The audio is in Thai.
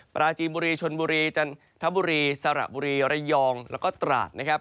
ปราจีนบุรีชนบุรีจันทบุรีสระบุรีระยองแล้วก็ตราดนะครับ